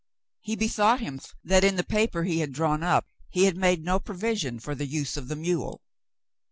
He bethought him that in the paper he had drawn up he had made no provision for the use of the mule.